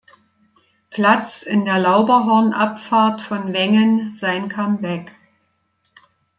Platz in der Lauberhornabfahrt von Wengen sein Comeback.